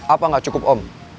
apa gak cukup om